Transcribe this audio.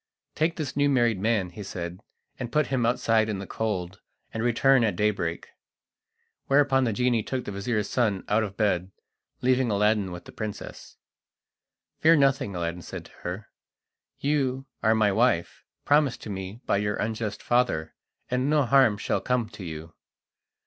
"Take this new married man," he said, "and put him outside in the cold, and return at daybreak." Whereupon the genie took the vizir's son out of bed, leaving Aladdin with the princess. "Fear nothing," Aladdin said to her; "you are my wife, promised to me by your unjust father, and no harm shall come to you."